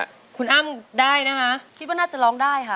คุณอ้ำได้นะคะคิดว่าน่าจะร้องได้ค่ะ